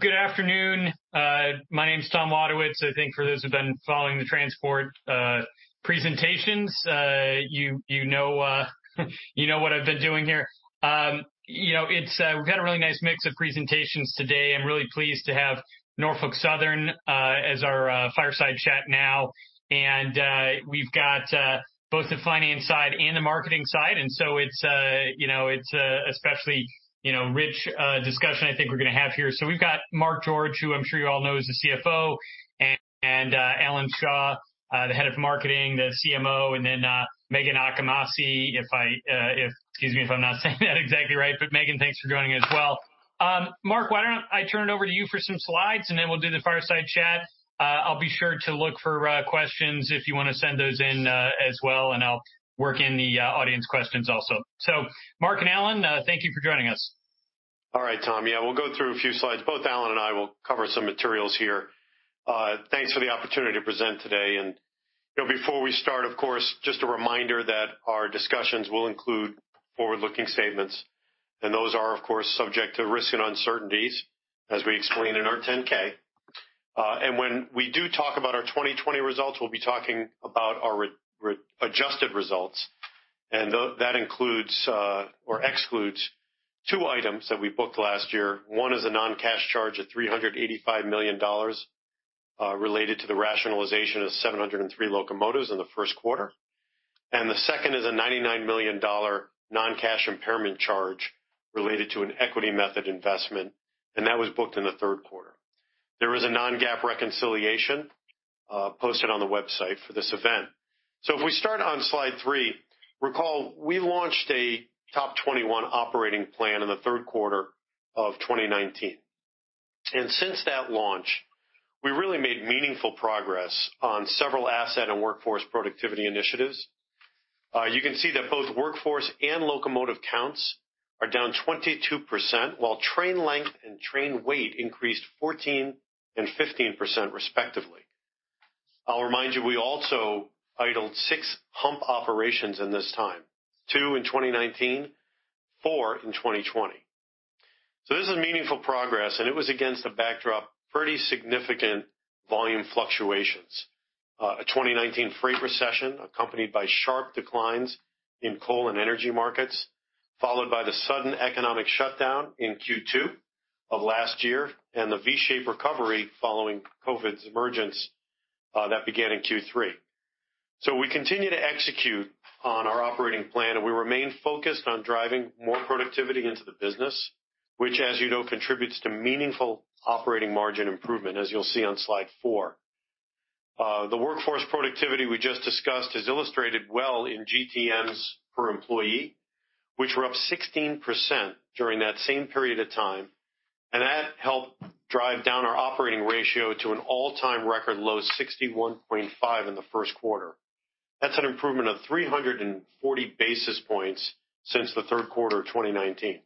Good afternoon. My name's Tom Wadewitz. I think for those who've been following the transport presentations, you know what I've been doing here. You know, we've got a really nice mix of presentations today. I'm really pleased to have Norfolk Southern as our fireside chat now. We've got both the finance side and the marketing side. It is a especially rich discussion I think we're going to have here. We've got Mark George, who I'm sure you all know is the CFO, and Alan Shaw, the head of marketing, the CMO, and then Meghan Achimasi. Excuse me if I'm not saying that exactly right. Meghan, thanks for joining us as well. Mark, why don't I turn it over to you for some slides, and then we'll do the fireside chat. I'll be sure to look for questions if you want to send those in as well. I'll work in the audience questions also. Mark and Alan, thank you for joining us. All right, Tom. Yeah, we'll go through a few slides. Both Alan and I will cover some materials here. Thanks for the opportunity to present today. Before we start, of course, just a reminder that our discussions will include forward-looking statements. Those are, of course, subject to risk and uncertainties, as we explained in our 10-K. When we do talk about our 2020 results, we'll be talking about our adjusted results. That includes or excludes two items that we booked last year. One is a non-cash charge of $385 million related to the rationalization of 703 locomotives in the first quarter. The second is a $99 million non-cash impairment charge related to an equity method investment. That was booked in the third quarter. There was a non-GAAP reconciliation posted on the website for this event. If we start on slide three, recall we launched a top 21 operating plan in the third quarter of 2019. Since that launch, we really made meaningful progress on several asset and workforce productivity initiatives. You can see that both workforce and locomotive counts are down 22%, while train length and train weight increased 14% and 15%, respectively. I'll remind you, we also idled six hump operations in this time, two in 2019, four in 2020. This is meaningful progress. It was against a backdrop of pretty significant volume fluctuations. A 2019 freight recession accompanied by sharp declines in coal and energy markets, followed by the sudden economic shutdown in Q2 of last year and the V-shaped recovery following COVID's emergence that began in Q3. We continue to execute on our operating plan. We remain focused on driving more productivity into the business, which, as you know, contributes to meaningful operating margin improvement, as you'll see on slide four. The workforce productivity we just discussed is illustrated well in GTMs per employee, which were up 16% during that same period of time. That helped drive down our operating ratio to an all-time record low of 61.5 in the first quarter. That's an improvement of 340 basis points since the third quarter of 2019.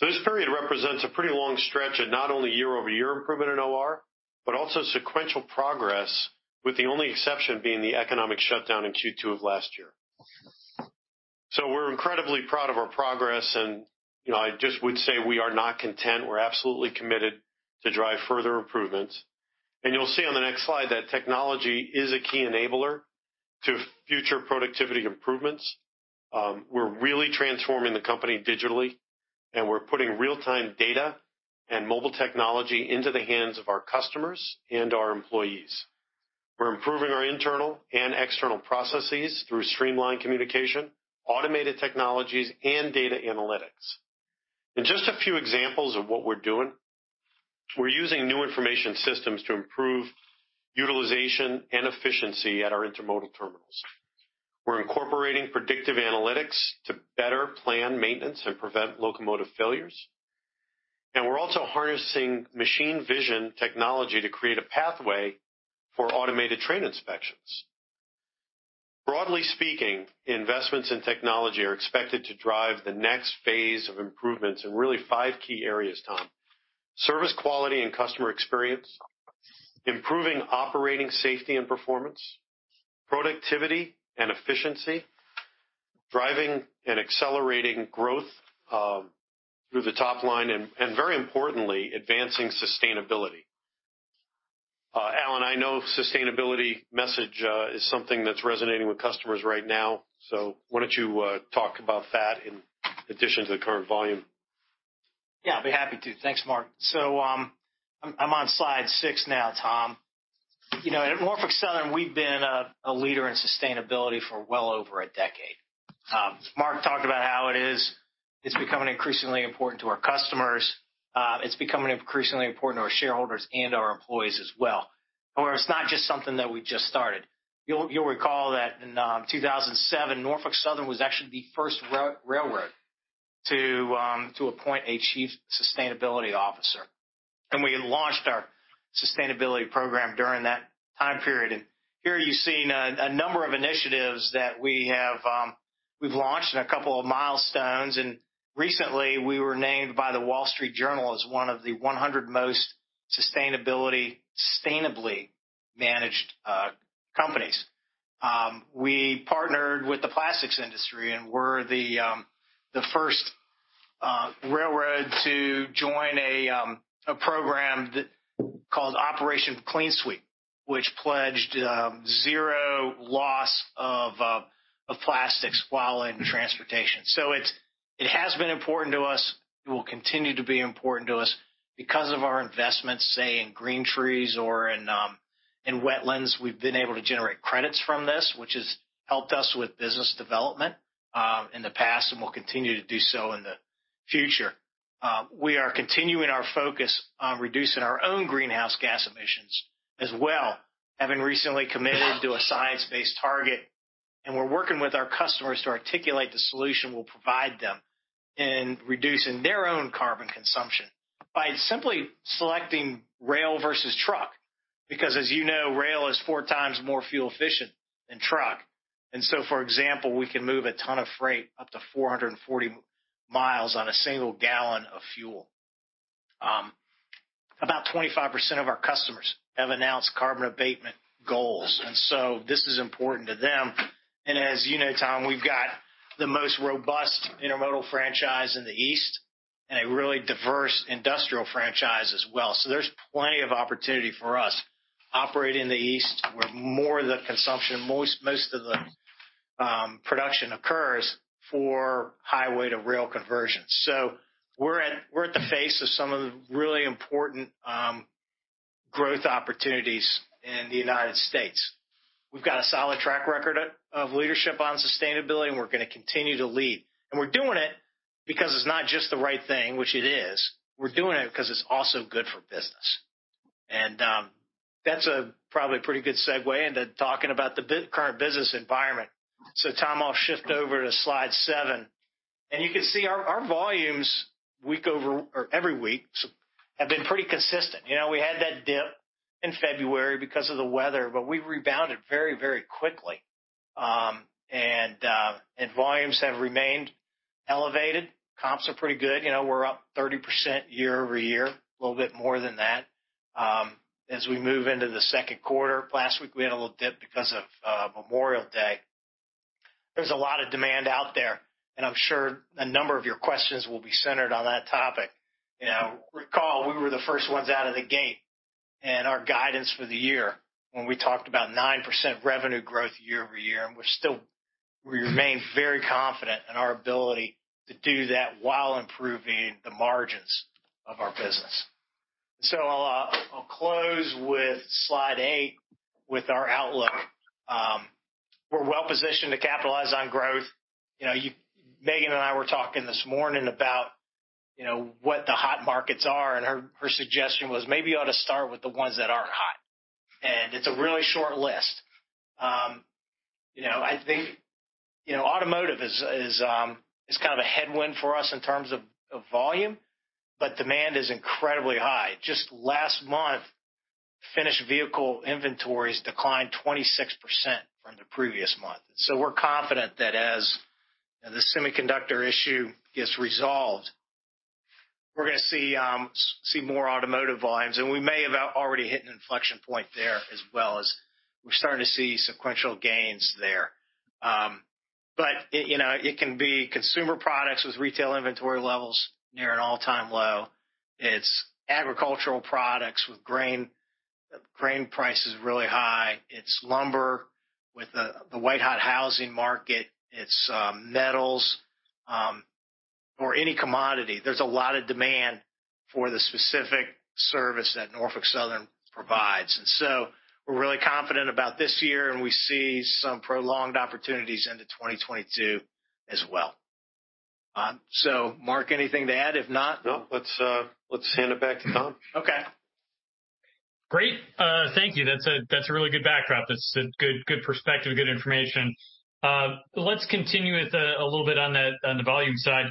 This period represents a pretty long stretch of not only year-over-year improvement in OR, but also sequential progress, with the only exception being the economic shutdown in Q2 of last year. We're incredibly proud of our progress. I just would say we are not content. We're absolutely committed to drive further improvements. You will see on the next slide that technology is a key enabler to future productivity improvements. We are really transforming the company digitally. We are putting real-time data and mobile technology into the hands of our customers and our employees. We are improving our internal and external processes through streamlined communication, automated technologies, and data analytics. Just a few examples of what we are doing: we are using new information systems to improve utilization and efficiency at our intermodal terminals. We are incorporating predictive analytics to better plan maintenance and prevent locomotive failures. We are also harnessing machine vision technology to create a pathway for automated train inspections. Broadly speaking, investments in technology are expected to drive the next phase of improvements in really five key areas, Tom: service quality and customer experience, improving operating safety and performance, productivity and efficiency, driving and accelerating growth through the top line, and very importantly, advancing sustainability. Alan, I know sustainability message is something that's resonating with customers right now. Why don't you talk about that in addition to the current volume? Yeah, I'll be happy to. Thanks, Mark. I am on slide six now, Tom. At Norfolk Southern, we've been a leader in sustainability for well over a decade. Mark talked about how it is becoming increasingly important to our customers. It's becoming increasingly important to our shareholders and our employees as well. However, it's not just something that we just started. You'll recall that in 2007, Norfolk Southern was actually the first railroad to appoint a chief sustainability officer. We launched our sustainability program during that time period. Here you've seen a number of initiatives that we've launched and a couple of milestones. Recently, we were named by the Wall Street Journal as one of the 100 most sustainably managed companies. We partnered with the plastics industry and were the first railroad to join a program called Operation Clean Sweep, which pledged zero loss of plastics while in transportation. It has been important to us. It will continue to be important to us because of our investments, say, in green trees or in wetlands. We've been able to generate credits from this, which has helped us with business development in the past and will continue to do so in the future. We are continuing our focus on reducing our own greenhouse gas emissions as well, having recently committed to a science-based target. We're working with our customers to articulate the solution we'll provide them in reducing their own carbon consumption by simply selecting rail versus truck. Because, as you know, rail is four times more fuel-efficient than truck. For example, we can move a ton of freight up to 440 mi on a single gal of fuel. About 25% of our customers have announced carbon abatement goals. This is important to them. As you know, Tom, we have the most robust intermodal franchise in the East and a really diverse industrial franchise as well. There is plenty of opportunity for us to operate in the East where more of the consumption, most of the production occurs for high-weight of rail conversions. We are at the face of some of the really important growth opportunities in the United States. We have a solid track record of leadership on sustainability. We are going to continue to lead. We are doing it because it is not just the right thing, which it is. We are doing it because it is also good for business. That is probably a pretty good segue into talking about the current business environment. Tom, I will shift over to slide seven. You can see our volumes week over, every week have been pretty consistent. We had that dip in February because of the weather, but we rebounded very, very quickly. Volumes have remained elevated. Comps are pretty good. We are up 30% year-over-year, a little bit more than that as we move into the second quarter. Last week, we had a little dip because of Memorial Day. There is a lot of demand out there. I am sure a number of your questions will be centered on that topic. Recall, we were the first ones out of the gate in our guidance for the year when we talked about 9% revenue growth year-over-year. We remain very confident in our ability to do that while improving the margins of our business. I'll close with slide eight with our outlook. We're well positioned to capitalize on growth. Meghan and I were talking this morning about what the hot markets are. Her suggestion was maybe you ought to start with the ones that aren't hot. It's a really short list. I think automotive is kind of a headwind for us in terms of volume, but demand is incredibly high. Just last month, finished vehicle inventories declined 26% from the previous month. We're confident that as the semiconductor issue gets resolved, we're going to see more automotive volumes. We may have already hit an inflection point there as well as we're starting to see sequential gains there. It can be consumer products with retail inventory levels near an all-time low. It's agricultural products with grain prices really high. It's lumber with the white-hot housing market. It's metals or any commodity. There's a lot of demand for the specific service that Norfolk Southern provides. We're really confident about this year. We see some prolonged opportunities into 2022 as well. Mark, anything to add? If not. Nope. Let's hand it back to Tom. Okay. Great. Thank you. That's a really good backdrop. That's a good perspective, good information. Let's continue with a little bit on the volume side.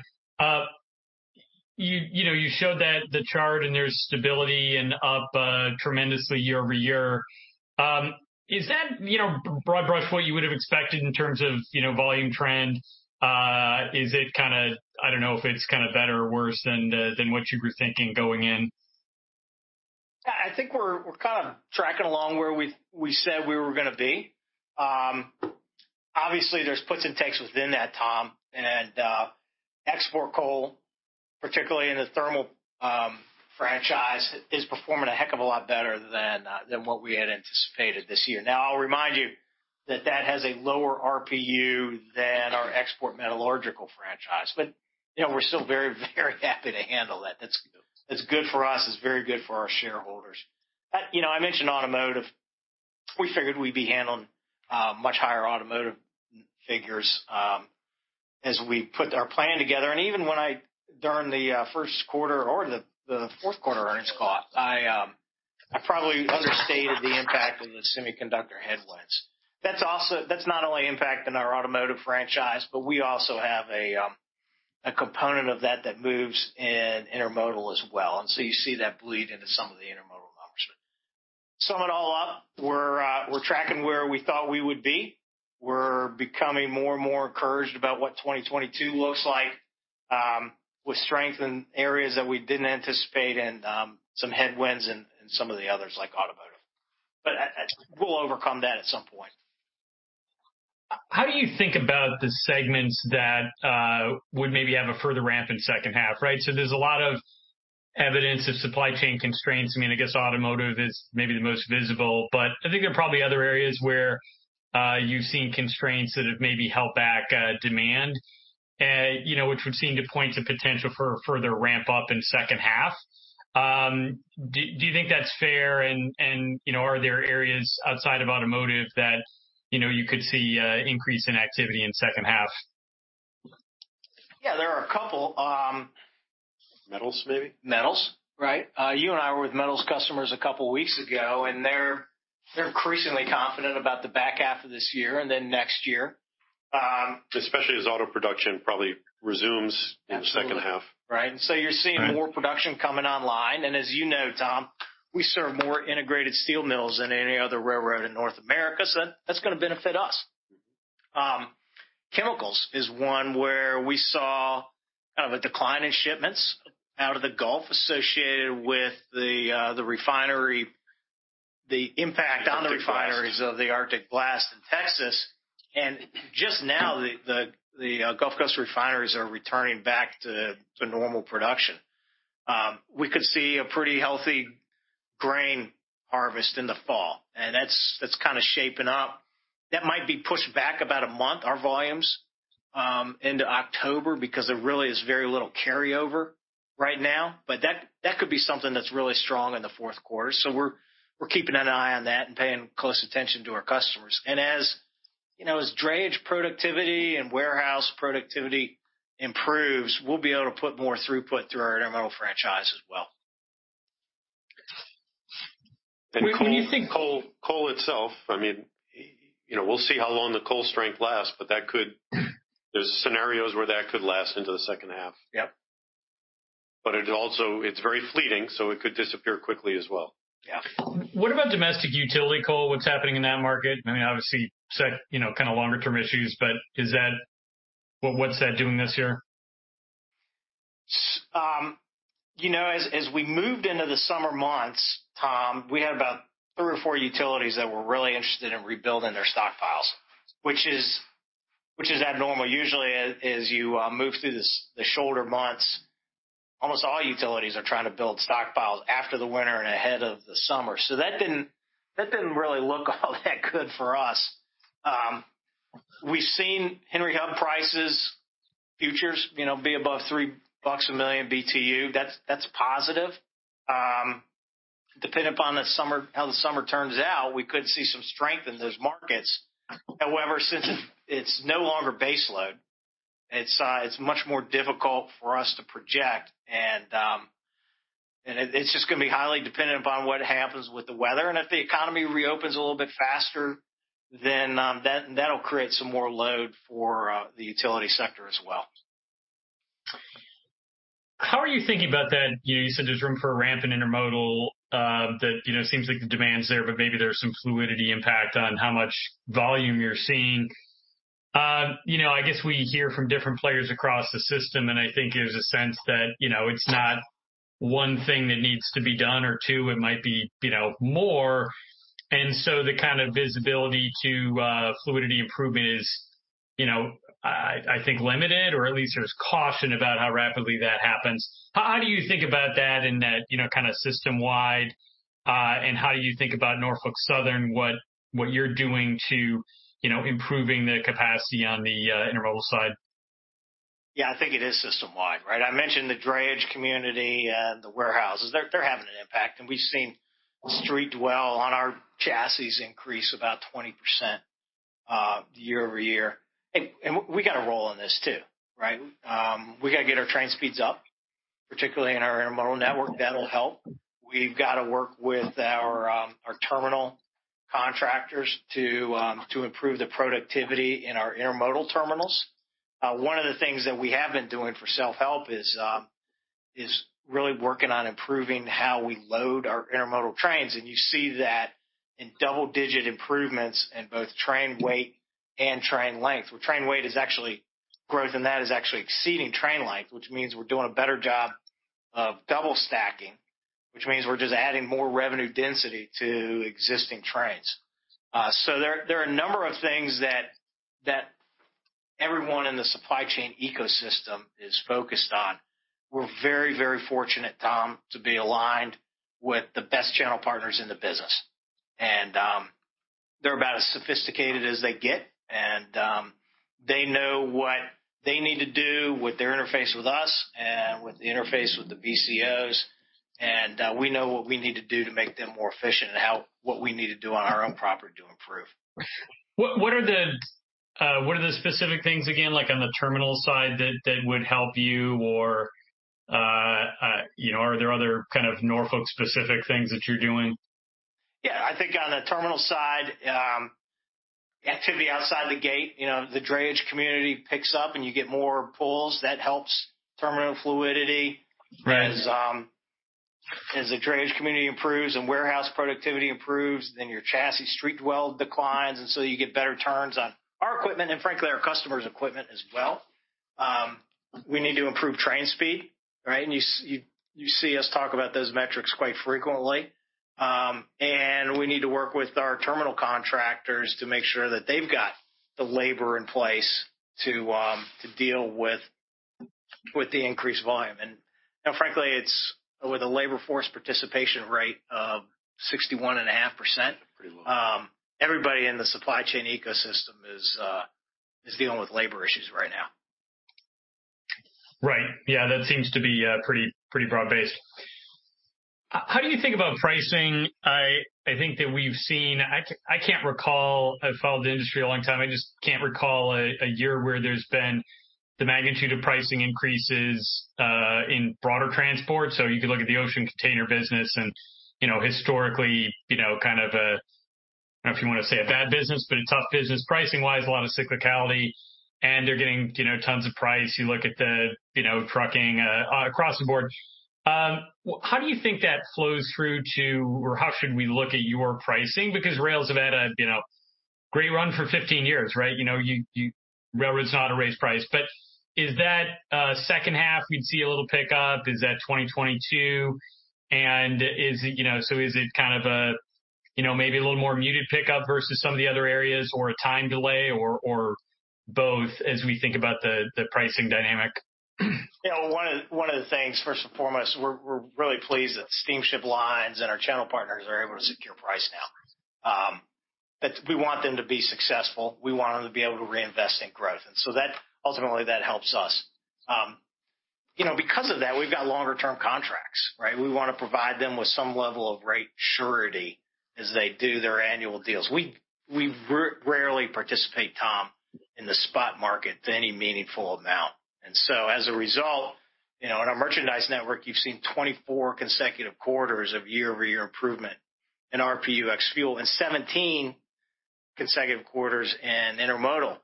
You showed that the chart and there's stability and up tremendously yea- over-year. Is that broad brush what you would have expected in terms of volume trend? Is it kind of, I don't know if it's kind of better or worse than what you were thinking going in? Yeah, I think we're kind of tracking along where we said we were going to be. Obviously, there's puts and takes within that, Tom. Export coal, particularly in the thermal franchise, is performing a heck of a lot better than what we had anticipated this year. Now, I'll remind you that that has a lower RPU than our export metallurgical franchise. We're still very, very happy to handle that. That's good for us. It's very good for our shareholders. I mentioned automotive. We figured we'd be handling much higher automotive figures as we put our plan together. Even when I, during the first quarter or the fourth quarter earnings call, I probably understated the impact of the semiconductor headwinds. That's not only impacting our automotive franchise, but we also have a component of that that moves in intermodal as well. You see that bleed into some of the intermodal numbers. Sum it all up. We're tracking where we thought we would be. We're becoming more and more encouraged about what 2022 looks like with strength in areas that we didn't anticipate and some headwinds in some of the others like automotive. We'll overcome that at some point. How do you think about the segments that would maybe have a further ramp in second half, right? There is a lot of evidence of supply chain constraints. I mean, I guess automotive is maybe the most visible. I think there are probably other areas where you have seen constraints that have maybe held back demand, which would seem to point to potential for a further ramp up in second half. Do you think that is fair? Are there areas outside of automotive that you could see an increase in activity in second half? Yeah, there are a couple. Metals, maybe. Metals, right? You and I were with metals customers a couple of weeks ago. They are increasingly confident about the back half of this year and then next year. Especially as auto production probably resumes in the second half. Right. You are seeing more production coming online. As you know, Tom, we serve more integrated steel mills than any other railroad in North America. That is going to benefit us. Chemicals is one where we saw kind of a decline in shipments out of the Gulf associated with the impact on the refineries of the Arctic blast in Texas. Just now, the Gulf Coast refineries are returning back to normal production. We could see a pretty healthy grain harvest in the fall. That is kind of shaping up. That might be pushed back about a month, our volumes, into October because there really is very little carryover right now. That could be something that is really strong in the fourth quarter. We are keeping an eye on that and paying close attention to our customers. As drayage productivity and warehouse productivity improves, we'll be able to put more throughput through our intermodal franchise as well. Coal itself, I mean, we'll see how long the coal strength lasts, but there's scenarios where that could last into the second half. Yep. It is very fleeting, so it could disappear quickly as well. Yeah. What about domestic utility coal? What's happening in that market? I mean, obviously, kind of longer-term issues, but what's that doing this year? As we moved into the summer months, Tom, we had about three or four utilities that were really interested in rebuilding their stockpiles, which is abnormal. Usually, as you move through the shoulder months, almost all utilities are trying to build stockpiles after the winter and ahead of the summer. That did not really look all that good for us. We've seen Henry Hub prices, futures be above $3 a million BTU. That's positive. Depending upon how the summer turns out, we could see some strength in those markets. However, since it's no longer baseload, it's much more difficult for us to project. It's just going to be highly dependent upon what happens with the weather. If the economy reopens a little bit faster, that will create some more load for the utility sector as well. How are you thinking about that? You said there's room for a ramp in intermodal. It seems like the demand's there, but maybe there's some fluidity impact on how much volume you're seeing. I guess we hear from different players across the system. I think there's a sense that it's not one thing that needs to be done or two. It might be more. The kind of visibility to fluidity improvement is, I think, limited, or at least there's caution about how rapidly that happens. How do you think about that in that kind of system-wide? How do you think about Norfolk Southern, what you're doing to improving the capacity on the intermodal side? Yeah, I think it is system-wide, right? I mentioned the drayage community and the warehouses. They're having an impact. We've seen street dwell on our chassis increase about 20% year-over-year. We got a role in this too, right? We got to get our train speeds up, particularly in our intermodal network. That'll help. We got to work with our terminal contractors to improve the productivity in our intermodal terminals. One of the things that we have been doing for self-help is really working on improving how we load our intermodal trains. You see that in double-digit improvements in both train weight and train length. Train weight is actually growth, and that is actually exceeding train length, which means we're doing a better job of double stacking, which means we're just adding more revenue density to existing trains. There are a number of things that everyone in the supply chain ecosystem is focused on. We're very, very fortunate, Tom, to be aligned with the best channel partners in the business. They're about as sophisticated as they get. They know what they need to do with their interface with us and with the interface with the VCOs. We know what we need to do to make them more efficient and what we need to do on our own property to improve. What are the specific things, again, like on the terminal side that would help you? Or are there other kind of Norfolk-specific things that you're doing? Yeah, I think on the terminal side, activity outside the gate, the drayage community picks up, and you get more pulls. That helps terminal fluidity. As the drayage community improves and warehouse productivity improves, then your chassis street dwell declines. You get better turns on our equipment and, frankly, our customers' equipment as well. We need to improve train speed, right? You see us talk about those metrics quite frequently. We need to work with our terminal contractors to make sure that they've got the labor in place to deal with the increased volume. Frankly, with a labor force participation rate of 61.5%, everybody in the supply chain ecosystem is dealing with labor issues right now. Right. Yeah, that seems to be pretty broad-based. How do you think about pricing? I think that we've seen—I can't recall. I've followed the industry a long time. I just can't recall a year where there's been the magnitude of pricing increases in broader transport. You could look at the ocean container business. Historically, kind of a—I don't know if you want to say a bad business, but a tough business. Pricing-wise, a lot of cyclicality. They're getting tons of price. You look at the trucking across the board. How do you think that flows through to—or how should we look at your pricing? Because rails have had a great run for 15 years, right? Railroads not a raised price. Is that second half, we'd see a little pickup? Is that 2022? Is it kind of a maybe a little more muted pickup versus some of the other areas or a time delay or both as we think about the pricing dynamic? Yeah, one of the things, first and foremost, we're really pleased that steamship lines and our channel partners are able to secure price now. We want them to be successful. We want them to be able to reinvest in growth. That helps us. Because of that, we've got longer-term contracts, right? We want to provide them with some level of rate surety as they do their annual deals. We rarely participate, Tom, in the spot market to any meaningful amount. As a result, in our merchandise network, you've seen 24 consecutive quarters of year-over-year improvement in RPUX fuel and 17 consecutive quarters in intermodal.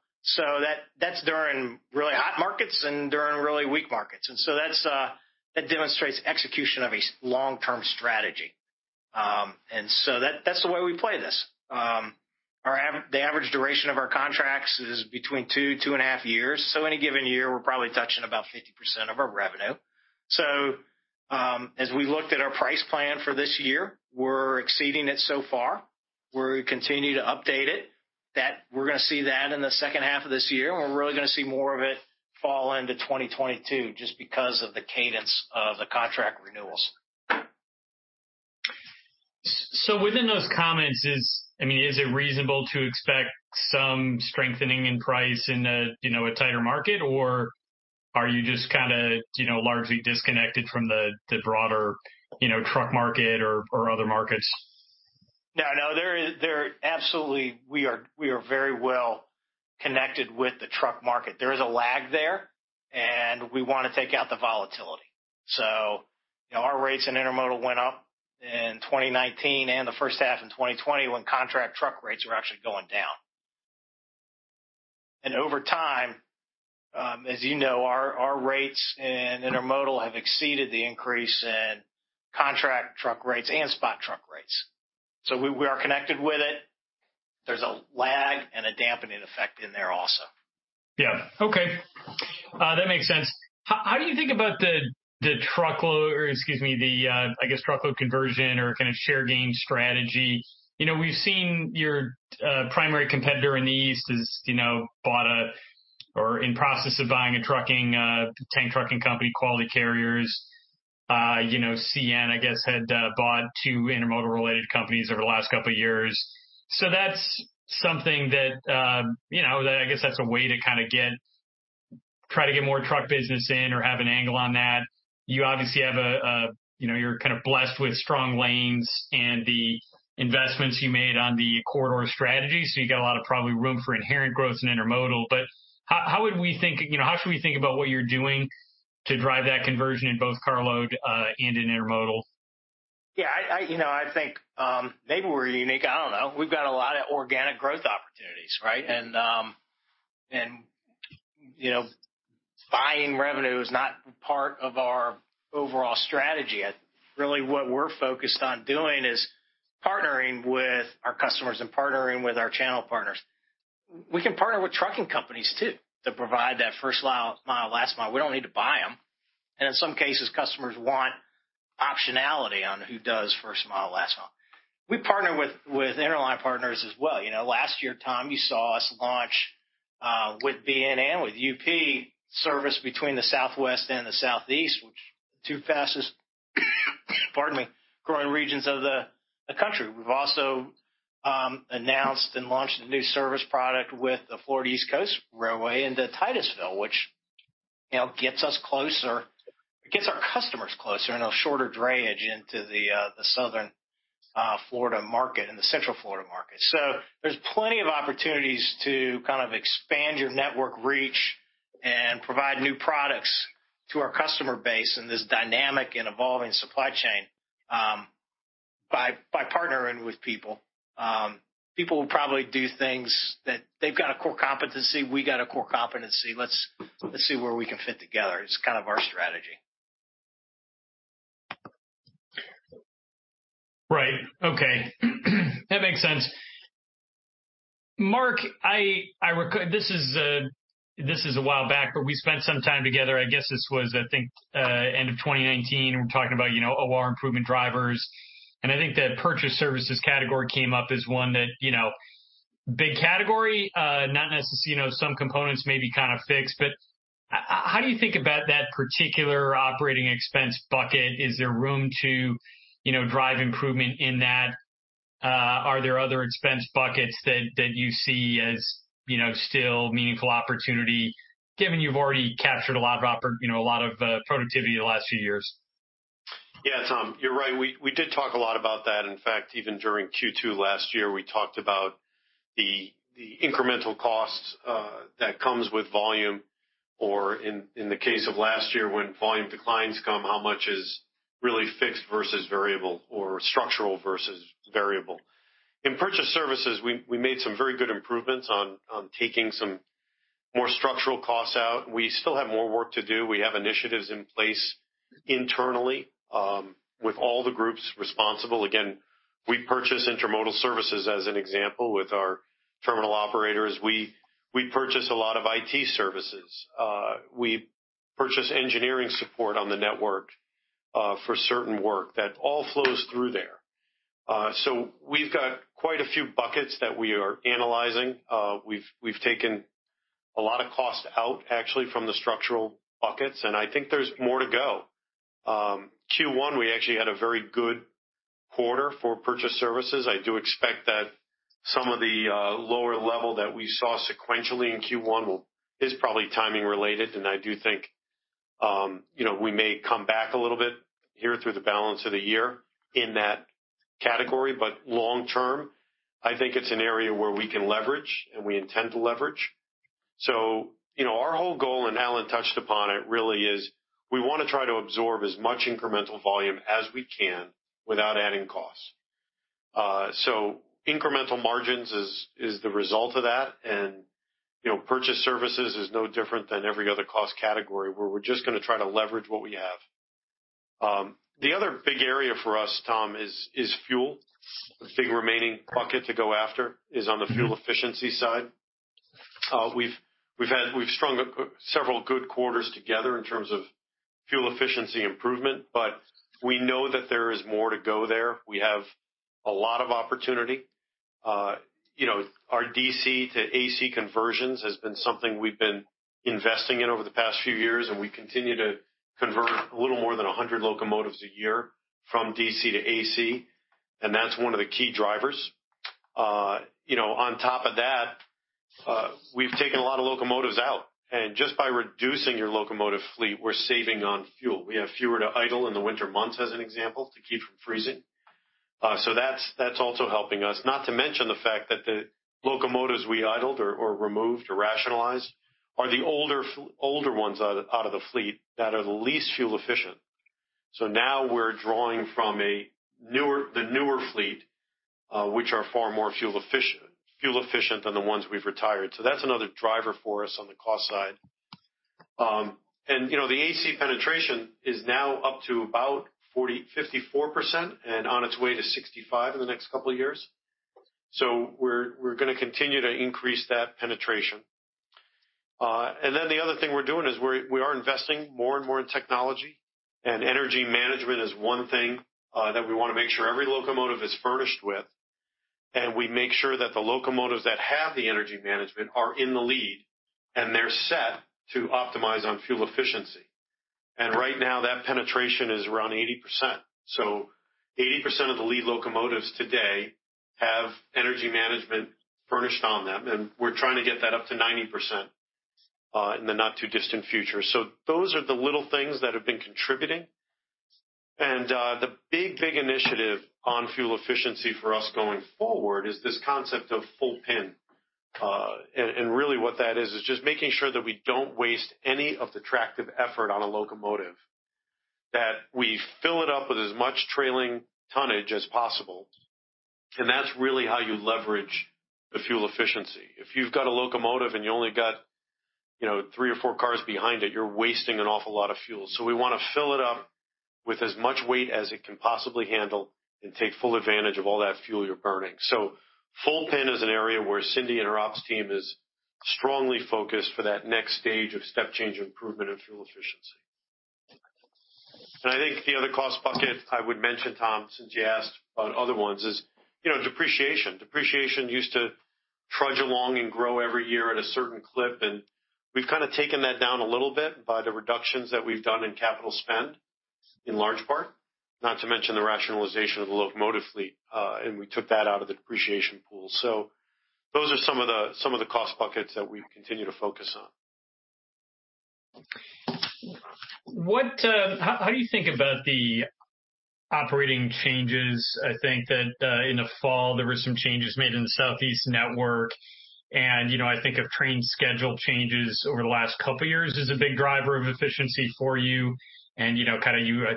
That's during really hot markets and during really weak markets. That demonstrates execution of a long-term strategy. That's the way we play this. The average duration of our contracts is between two, two and a half years. Any given year, we're probably touching about 50% of our revenue. As we looked at our price plan for this year, we're exceeding it so far. We're continuing to update it. We're going to see that in the second half of this year. We're really going to see more of it fall into 2022 just because of the cadence of the contract renewals. Within those comments, I mean, is it reasonable to expect some strengthening in price in a tighter market? Or are you just kind of largely disconnected from the broader truck market or other markets? No, no. Absolutely. We are very well connected with the truck market. There is a lag there. We want to take out the volatility. Our rates in intermodal went up in 2019 and the first half in 2020 when contract truck rates were actually going down. Over time, as you know, our rates in intermodal have exceeded the increase in contract truck rates and spot truck rates. We are connected with it. There is a lag and a dampening effect in there also. Yeah. Okay. That makes sense. How do you think about the truckload—excuse me, the, I guess, truckload conversion or kind of share gain strategy? We've seen your primary competitor in the east has bought a—or in process of buying a trucking tank trucking company, Quality Carriers. CN, I guess, had bought two intermodal-related companies over the last couple of years. That’s something that I guess that's a way to kind of try to get more truck business in or have an angle on that. You obviously have a—you're kind of blessed with strong lanes and the investments you made on the corridor strategy. You got a lot of probably room for inherent growth in intermodal. How would we think—how should we think about what you're doing to drive that conversion in both carload and in intermodal? Yeah, I think maybe we're unique. I don't know. We've got a lot of organic growth opportunities, right? Buying revenue is not part of our overall strategy. Really, what we're focused on doing is partnering with our customers and partnering with our channel partners. We can partner with trucking companies too to provide that first mile, last mile. We don't need to buy them. In some cases, customers want optionality on who does first mile, last mile. We partner with interline partners as well. Last year, Tom, you saw us launch with BNSF, with UP service between the Southwest and the Southeast, which are the two fastest, pardon me, growing regions of the country. We've also announced and launched a new service product with the Florida East Coast Railway and the Titusville, which gets us closer—it gets our customers closer in a shorter drayage into the southern Florida market and the central Florida market. There are plenty of opportunities to kind of expand your network reach and provide new products to our customer base in this dynamic and evolving supply chain by partnering with people. People will probably do things that they have got a core competency. We have got a core competency. Let us see where we can fit together. It is kind of our strategy. Right. Okay. That makes sense. Mark, this is a while back, but we spent some time together. I guess this was, I think, end of 2019. We're talking about OR improvement drivers. I think the purchase services category came up as one that big category, not necessarily some components may be kind of fixed. How do you think about that particular operating expense bucket? Is there room to drive improvement in that? Are there other expense buckets that you see as still meaningful opportunity, given you've already captured a lot of productivity the last few years? Yeah, Tom, you're right. We did talk a lot about that. In fact, even during Q2 last year, we talked about the incremental cost that comes with volume, or in the case of last year, when volume declines come, how much is really fixed versus variable or structural versus variable. In purchase services, we made some very good improvements on taking some more structural costs out. We still have more work to do. We have initiatives in place internally with all the groups responsible. Again, we purchase intermodal services as an example with our terminal operators. We purchase a lot of IT services. We purchase engineering support on the network for certain work that all flows through there. We've got quite a few buckets that we are analyzing. We've taken a lot of cost out, actually, from the structural buckets. I think there's more to go. Q1, we actually had a very good quarter for purchase services. I do expect that some of the lower level that we saw sequentially in Q1 is probably timing related. I do think we may come back a little bit here through the balance of the year in that category. Long term, I think it's an area where we can leverage and we intend to leverage. Our whole goal, and Alan touched upon it, really is we want to try to absorb as much incremental volume as we can without adding costs. Incremental margins is the result of that. Purchase services is no different than every other cost category where we're just going to try to leverage what we have. The other big area for us, Tom, is fuel. The big remaining bucket to go after is on the fuel efficiency side. We've strung several good quarters together in terms of fuel efficiency improvement. We know that there is more to go there. We have a lot of opportunity. Our DC to AC conversions has been something we've been investing in over the past few years. We continue to convert a little more than 100 locomotives a year from DC to AC. That's one of the key drivers. On top of that, we've taken a lot of locomotives out. Just by reducing your locomotive fleet, we're saving on fuel. We have fewer to idle in the winter months, as an example, to keep from freezing. That's also helping us. Not to mention the fact that the locomotives we idled or removed or rationalized are the older ones out of the fleet that are the least fuel efficient. We are drawing from the newer fleet, which are far more fuel efficient than the ones we have retired. That is another driver for us on the cost side. The AC penetration is now up to about 54% and on its way to 65% in the next couple of years. We are going to continue to increase that penetration. The other thing we are doing is we are investing more and more in technology. Energy management is one thing that we want to make sure every locomotive is furnished with. We make sure that the locomotives that have the energy management are in the lead and they are set to optimize on fuel efficiency. Right now, that penetration is around 80%. So 80% of the lead locomotives today have energy management furnished on them. We're trying to get that up to 90% in the not too distant future. Those are the little things that have been contributing. The big, big initiative on fuel efficiency for us going forward is this concept of full pin. Really what that is, is just making sure that we do not waste any of the tractive effort on a locomotive, that we fill it up with as much trailing tonnage as possible. That's really how you leverage the fuel efficiency. If you've got a locomotive and you only got three or four cars behind it, you're wasting an awful lot of fuel. We want to fill it up with as much weight as it can possibly handle and take full advantage of all that fuel you're burning. Full pin is an area where Cindy and her ops team is strongly focused for that next stage of step change improvement in fuel efficiency. I think the other cost bucket I would mention, Tom, since you asked about other ones, is depreciation. Depreciation used to trudge along and grow every year at a certain clip. We have kind of taken that down a little bit by the reductions that we have done in capital spend, in large part, not to mention the rationalization of the locomotive fleet. We took that out of the depreciation pool. Those are some of the cost buckets that we continue to focus on. How do you think about the operating changes? I think that in the fall, there were some changes made in the Southeast network. I think of train schedule changes over the last couple of years as a big driver of efficiency for you. I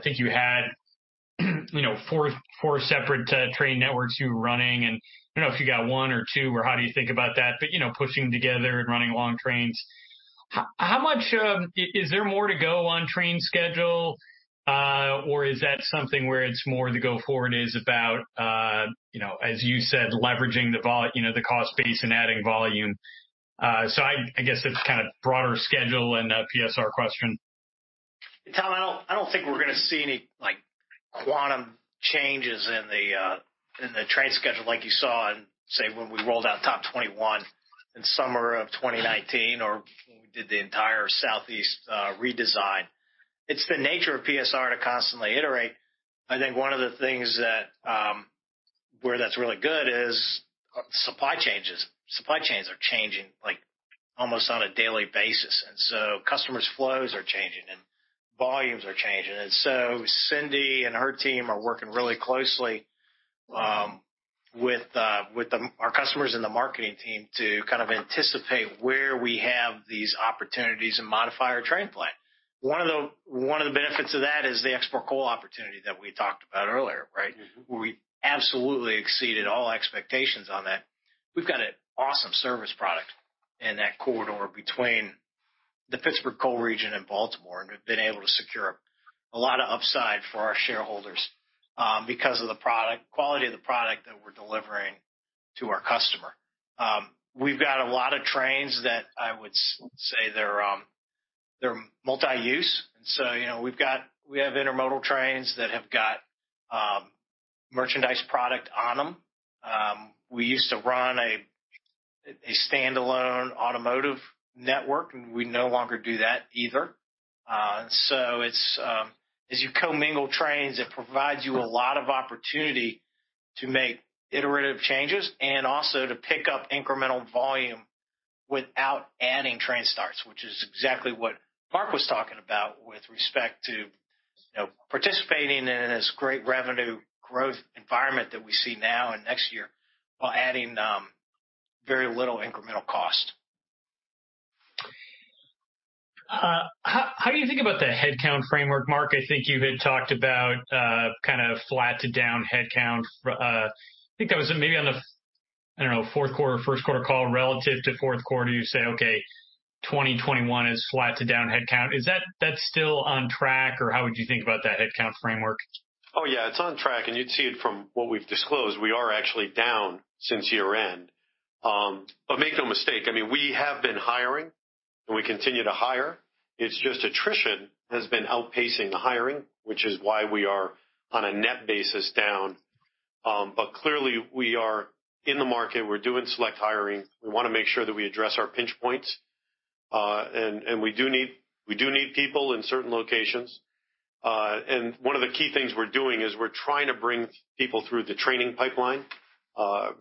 think you had four separate train networks you were running. I do not know if you got one or two, or how do you think about that, but pushing together and running long trains. Is there more to go on train schedule? Is that something where it is more the go forward is about, as you said, leveraging the cost base and adding volume? I guess it is kind of broader schedule and a PSR question. Tom, I do not think we are going to see any quantum changes in the train schedule like you saw in, say, when we rolled out Top 21 in summer of 2019 or when we did the entire Southeast redesign. It is the nature of PSR to constantly iterate. I think one of the things where that is really good is supply changes. Supply chains are changing almost on a daily basis. Customers' flows are changing and volumes are changing. Cindy and her team are working really closely with our customers and the marketing team to kind of anticipate where we have these opportunities and modify our train plan. One of the benefits of that is the export coal opportunity that we talked about earlier, right? We absolutely exceeded all expectations on that. We've got an awesome service product in that corridor between the Pittsburgh Coal Region and Baltimore, and we've been able to secure a lot of upside for our shareholders because of the quality of the product that we're delivering to our customer. We've got a lot of trains that I would say they're multi-use. We have intermodal trains that have got merchandise product on them. We used to run a standalone automotive network, and we no longer do that either. As you co-mingle trains, it provides you a lot of opportunity to make iterative changes and also to pick up incremental volume without adding train starts, which is exactly what Mark was talking about with respect to participating in this great revenue growth environment that we see now and next year while adding very little incremental cost. How do you think about the headcount framework, Mark? I think you had talked about kind of flat to down headcount. I think that was maybe on the, I don't know, fourth quarter, first quarter call relative to fourth quarter, you say, "Okay, 2021 is flat to down headcount." Is that still on track, or how would you think about that headcount framework? Oh, yeah, it's on track. You'd see it from what we've disclosed. We are actually down since year-end. Make no mistake, I mean, we have been hiring, and we continue to hire. It's just attrition has been outpacing the hiring, which is why we are on a net basis down. Clearly, we are in the market. We're doing select hiring. We want to make sure that we address our pinch points. We do need people in certain locations. One of the key things we're doing is we're trying to bring people through the training pipeline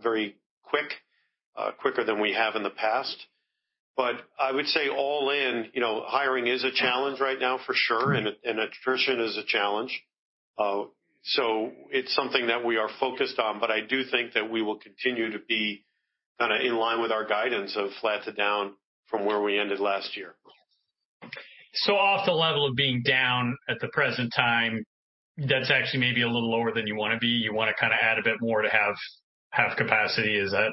very quick, quicker than we have in the past. I would say all in, hiring is a challenge right now, for sure, and attrition is a challenge. It's something that we are focused on. I do think that we will continue to be kind of in line with our guidance of flat to down from where we ended last year. Off the level of being down at the present time, that's actually maybe a little lower than you want to be. You want to kind of add a bit more to have capacity. Is that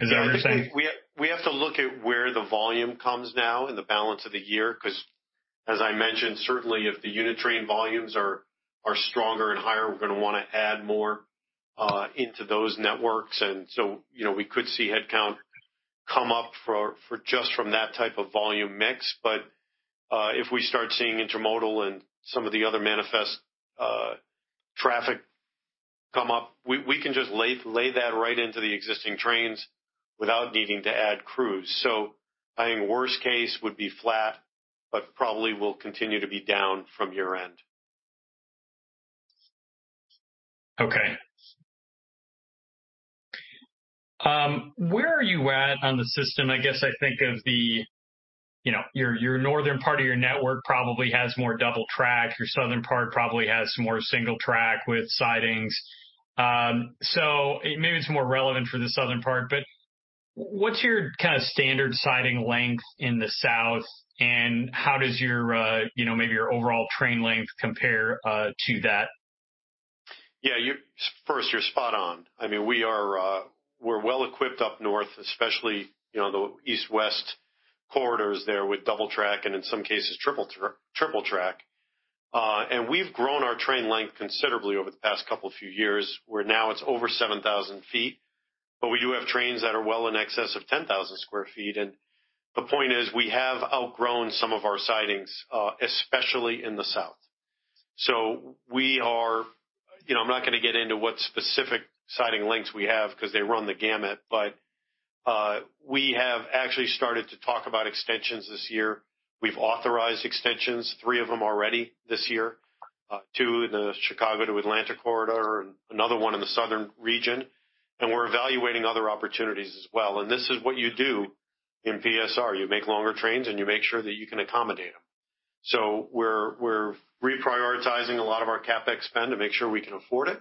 what you're saying? We have to look at where the volume comes now in the balance of the year because, as I mentioned, certainly if the unit train volumes are stronger and higher, we're going to want to add more into those networks. We could see headcount come up just from that type of volume mix. If we start seeing intermodal and some of the other manifest traffic come up, we can just lay that right into the existing trains without needing to add crews. I think worst case would be flat, but probably will continue to be down from year-end. Okay. Where are you at on the system? I guess I think of your northern part of your network probably has more double track. Your southern part probably has more single track with sidings. Maybe it's more relevant for the southern part. What's your kind of standard siding length in the south? How does maybe your overall train length compare to that? Yeah, first, you're spot on. I mean, we're well equipped up north, especially the east-west corridors there with double track and in some cases triple track. And we've grown our train length considerably over the past couple of few years where now it's over 7,000 ft. But we do have trains that are well in excess of 10,000 ft. The point is we have outgrown some of our sidings, especially in the south. I'm not going to get into what specific siding lengths we have because they run the gamut. We have actually started to talk about extensions this year. We've authorized extensions, three of them already this year, two in the Chicago to Atlanta corridor, and another one in the southern region. We're evaluating other opportunities as well. This is what you do in PSR. You make longer trains, and you make sure that you can accommodate them. We are reprioritizing a lot of our CapEx spend to make sure we can afford it.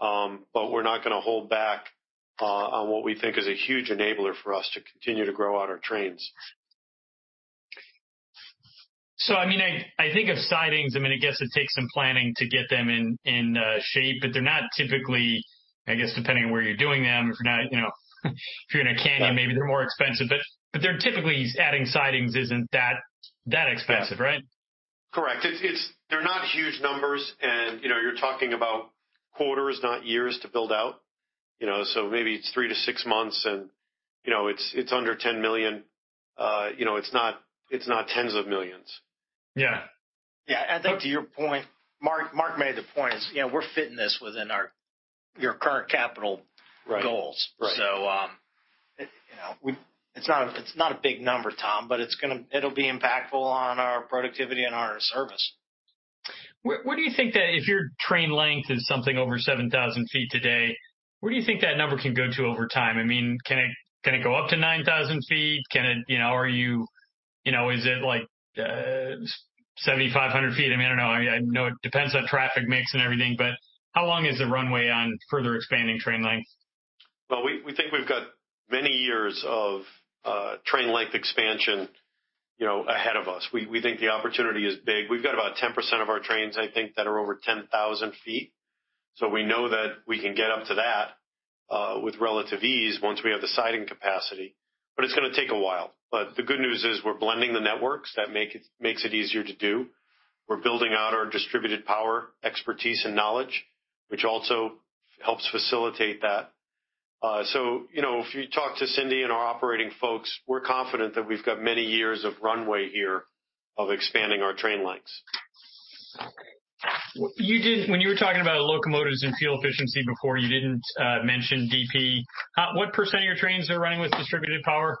We are not going to hold back on what we think is a huge enabler for us to continue to grow out our trains. I mean, I think of sidings. I mean, I guess it takes some planning to get them in shape. But they're not typically, I guess, depending on where you're doing them. If you're in a canyon, maybe they're more expensive. But they're typically adding sidings isn't that expensive, right? Correct. They're not huge numbers. You're talking about quarters, not years to build out. Maybe it's three to six months, and it's under $10 million. It's not tens of millions. Yeah. Yeah. I think to your point, Mark made the point. We're fitting this within your current capital goals. So it's not a big number, Tom, but it'll be impactful on our productivity and our service. Where do you think that if your train length is something over 7,000 ft today, where do you think that number can go to over time? I mean, can it go up to 9,000 ft? Are you is it like 7,500 ft? I mean, I don't know. I know it depends on traffic mix and everything. But how long is the runway on further expanding train length? We think we've got many years of train length expansion ahead of us. We think the opportunity is big. We've got about 10% of our trains, I think, that are over 10,000 ft. We know that we can get up to that with relative ease once we have the siding capacity. It is going to take a while. The good news is we're blending the networks. That makes it easier to do. We're building out our distributed power expertise and knowledge, which also helps facilitate that. If you talk to Cindy and our operating folks, we're confident that we've got many years of runway here of expanding our train lengths. When you were talking about locomotives and fuel efficiency before, you didn't mention DP. What percent of your trains are running with distributed power?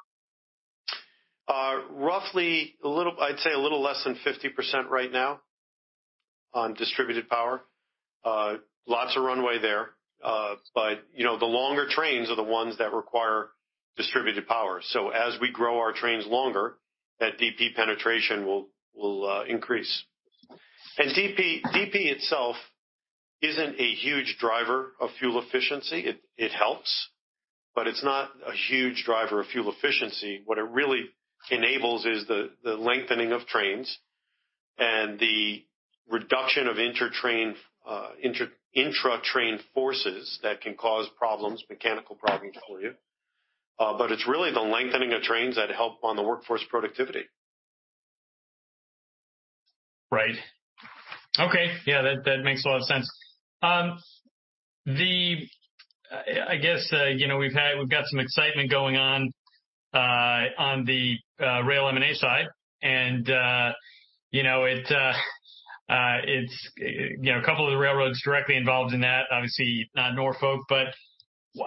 Roughly, I'd say a little less than 50% right now on distributed power. Lots of runway there. The longer trains are the ones that require distributed power. As we grow our trains longer, that DP penetration will increase. DP itself isn't a huge driver of fuel efficiency. It helps, but it's not a huge driver of fuel efficiency. What it really enables is the lengthening of trains and the reduction of intra-train forces that can cause problems, mechanical problems for you. It's really the lengthening of trains that help on the workforce productivity. Right. Okay. Yeah, that makes a lot of sense. I guess we've got some excitement going on on the rail M&A side. A couple of the railroads directly involved in that, obviously not Norfolk.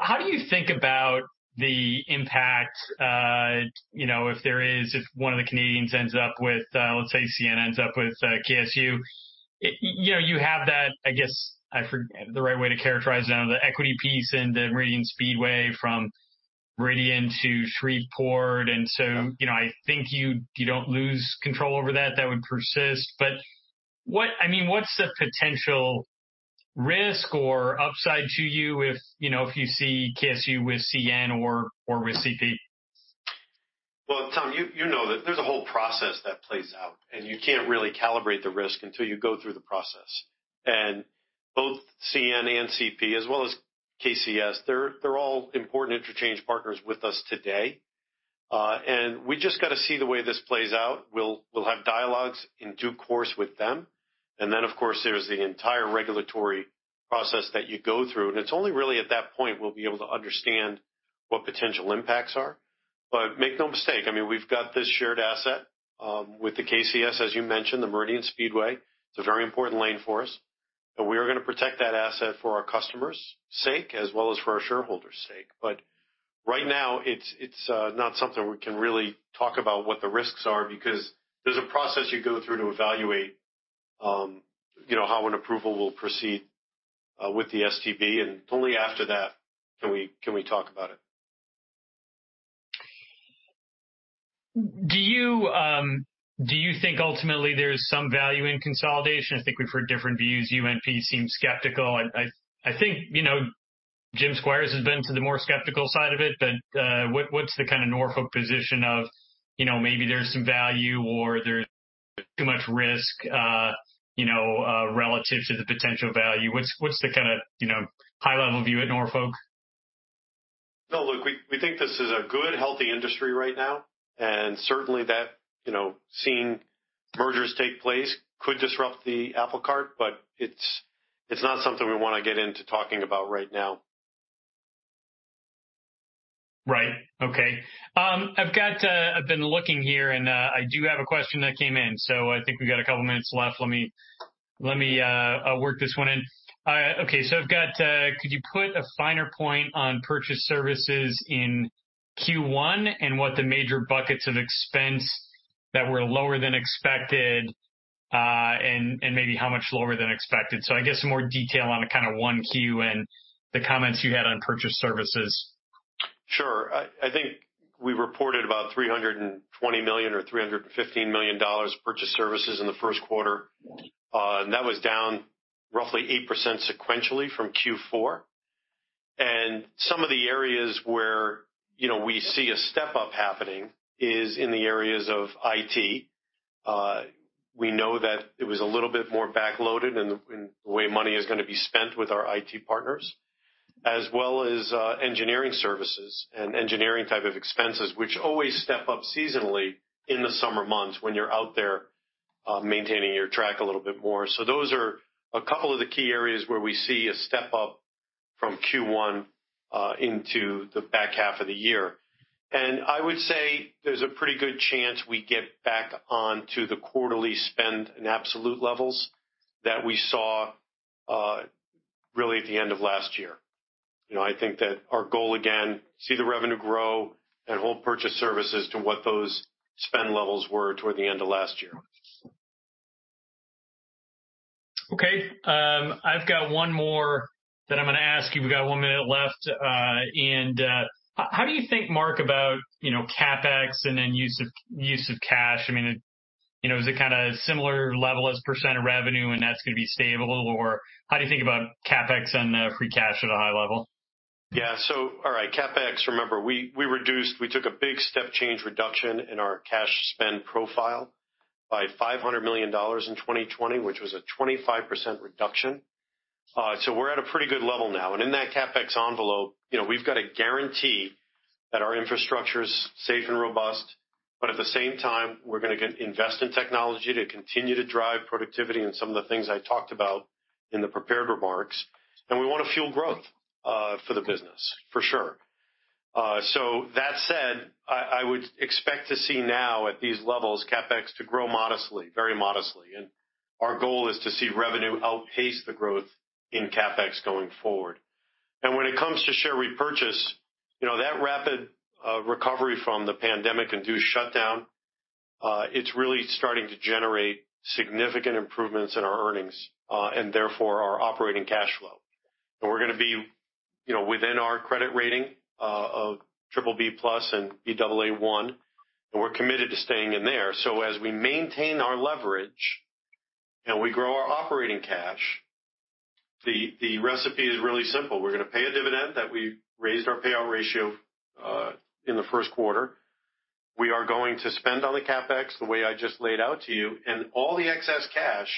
How do you think about the impact if there is, if one of the Canadians ends up with, let's say, CN ends up with KSU? You have that, I guess, the right way to characterize it, the equity piece and the Meridian Speedway from Meridian to Shreveport. I think you don't lose control over that. That would persist. I mean, what's the potential risk or upside to you if you see KSU with CN or with CP? Tom, you know that there's a whole process that plays out, and you can't really calibrate the risk until you go through the process. Both CN and CP, as well as KCS, they're all important interchange partners with us today. We just got to see the way this plays out. We'll have dialogues in due course with them. Of course, there's the entire regulatory process that you go through. It's only really at that point we'll be able to understand what potential impacts are. Make no mistake, I mean, we've got this shared asset with the KCS, as you mentioned, the Meridian Speedway. It's a very important lane for us. We are going to protect that asset for our customers' sake as well as for our shareholders' sake. Right now, it's not something we can really talk about what the risks are because there's a process you go through to evaluate how an approval will proceed with the STB. Only after that can we talk about it. Do you think ultimately there's some value in consolidation? I think we've heard different views. UNP seems skeptical. I think Jim Squires has been to the more skeptical side of it. What's the kind of Norfolk position of maybe there's some value or there's too much risk relative to the potential value? What's the kind of high-level view at Norfolk? No, look, we think this is a good, healthy industry right now. Certainly, seeing mergers take place could disrupt the applecart, but it's not something we want to get into talking about right now. Right. Okay. I've been looking here, and I do have a question that came in. I think we've got a couple of minutes left. Let me work this one in. Could you put a finer point on purchase services in Q1 and what the major buckets of expense that were lower than expected and maybe how much lower than expected? I guess some more detail on kind of 1Q and the comments you had on purchase services. Sure. I think we reported about $320 million or $315 million of purchase services in the first quarter. That was down roughly 8% sequentially from Q4. Some of the areas where we see a step-up happening is in the areas of IT. We know that it was a little bit more backloaded in the way money is going to be spent with our IT partners, as well as engineering services and engineering type of expenses, which always step up seasonally in the summer months when you're out there maintaining your track a little bit more. Those are a couple of the key areas where we see a step-up from Q1 into the back half of the year. I would say there's a pretty good chance we get back onto the quarterly spend and absolute levels that we saw really at the end of last year. I think that our goal, again, see the revenue grow and hold purchase services to what those spend levels were toward the end of last year. Okay. I've got one more that I'm going to ask you. We've got one minute left. How do you think, Mark, about CapEx and then use of cash? I mean, is it kind of similar level as percent of revenue, and that's going to be stable? How do you think about CapEx and free cash at a high level? Yeah. All right. CapEx, remember, we took a big step change reduction in our cash spend profile by $500 million in 2020, which was a 25% reduction. We are at a pretty good level now. In that CapEx envelope, we have got a guarantee that our infrastructure is safe and robust. At the same time, we are going to invest in technology to continue to drive productivity and some of the things I talked about in the prepared remarks. We want to fuel growth for the business, for sure. That said, I would expect to see now at these levels CapEx to grow modestly, very modestly. Our goal is to see revenue outpace the growth in CapEx going forward. When it comes to share repurchase, that rapid recovery from the pandemic-induced shutdown is really starting to generate significant improvements in our earnings and therefore our operating cash flow. We are going to be within our credit rating of BBB+ and BAA1, and we are committed to staying in there. As we maintain our leverage and we grow our operating cash, the recipe is really simple. We are going to pay a dividend, and we raised our payout ratio in the first quarter. We are going to spend on the CapEx the way I just laid out to you. All the excess cash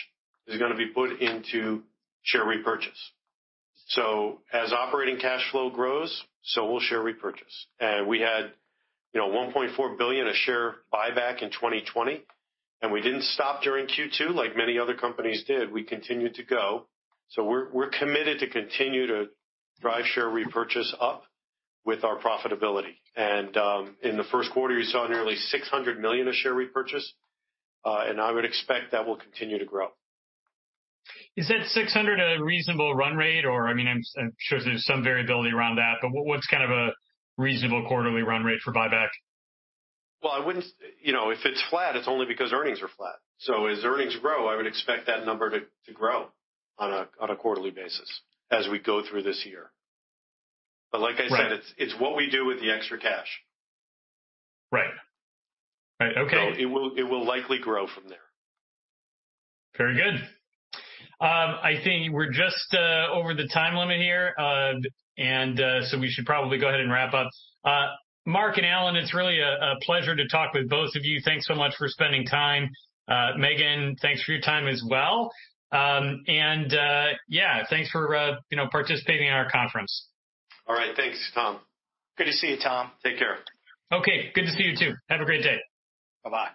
is going to be put into share repurchase. As operating cash flow grows, so will share repurchase. We had $1.4 billion a share buyback in 2020, and we did not stop during Q2 like many other companies did. We continued to go. We're committed to continue to drive share repurchase up with our profitability. In the first quarter, you saw nearly $600 million of share repurchase. I would expect that will continue to grow. Is that $600 a reasonable run rate? Or I mean, I'm sure there's some variability around that. But what's kind of a reasonable quarterly run rate for buyback? If it's flat, it's only because earnings are flat. As earnings grow, I would expect that number to grow on a quarterly basis as we go through this year. Like I said, it's what we do with the extra cash. Right. Right. Okay. It will likely grow from there. Very good. I think we're just over the time limit here. We should probably go ahead and wrap up. Mark and Alan, it's really a pleasure to talk with both of you. Thanks so much for spending time. Meghan, thanks for your time as well. Yeah, thanks for participating in our conference. All right. Thanks, Tom. Good to see you, Tom. Take care. Okay. Good to see you too. Have a great day. Bye-bye.